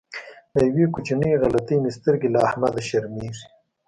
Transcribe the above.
له یوې کوچنۍ غلطۍ مې سترګې له احمده شرمېږي.